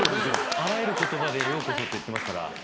あらゆる言葉でようこそって言ってますから。